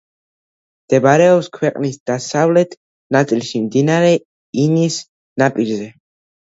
მდებარეობს ქვეყნის დასავლეთ ნაწილში მდინარე ინის ნაპირზე.